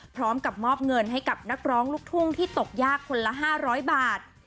พร้อมกับมอบเงินให้กับนักร้องลูกทุ่งที่ตกยากคนละ๕๐๐บาท